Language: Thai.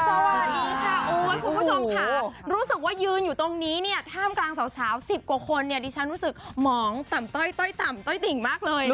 สวัสดีค่ะโอ้ยคุณผู้ชมค่ะรู้สึกว่ายืนอยู่ตรงนี้เนี่ยท่ามกลางสาว๑๐กว่าคนเนี่ยดิฉันรู้สึกหมองต่ำต้อยต่ำต้อยติ่งมากเลยนะคะ